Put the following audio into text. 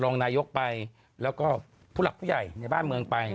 รองนายกไปแล้วก็ผู้หลักผู้ใหญ่ในบ้านเมืองไป